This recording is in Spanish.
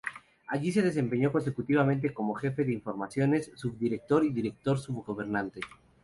Allí se desempeñó consecutivamente como jefe de informaciones, subdirector y director subrogante.